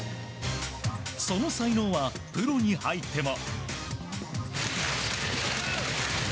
その才能は、プロに入っても。